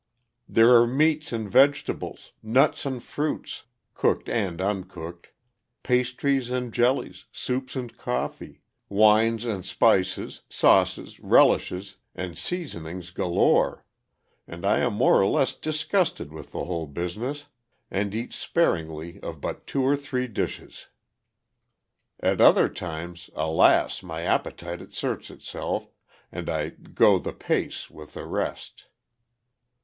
There are meats and vegetables, nuts and fruits, cooked and uncooked, pastries and jellies, soups and coffee, wines and spices, sauces, relishes, and seasonings galore, and I am more or less disgusted with the whole business, and eat sparingly of but two or three dishes. At other times, alas! my appetite asserts itself, and I "go the pace" with the rest.